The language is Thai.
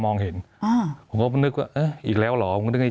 มีความรู้สึกว่ามีความรู้สึกว่า